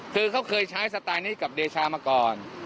คือเขาเคยใช้สไตล์นี้กับเดชามาก่อน